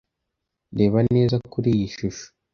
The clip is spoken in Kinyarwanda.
Reba neza kuri iyi shusho.